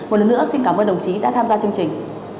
một lần nữa xin cảm ơn đồng chí đã tham gia chương trình